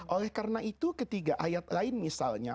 oleh karena itu ketiga ayat lain misalnya